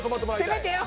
せめてよ！